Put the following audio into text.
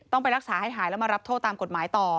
ไปรักษาให้หายแล้วมารับโทษตามกฎหมายต่อ